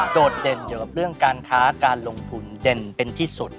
โดดเด่นเกี่ยวกับเรื่องการค้าการลงทุนเด่นเป็นที่สุด